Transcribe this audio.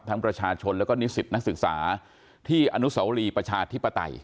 ประชาชนแล้วก็นิสิตนักศึกษาที่อนุสาวรีประชาธิปไตย